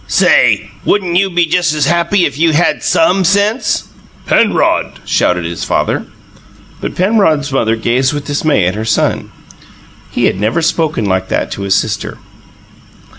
"Say, wouldn't you be just as happy if you had SOME sense?" "Penrod!" shouted his father. But Penrod's mother gazed with dismay at her son: he had never before spoken like that to his sister.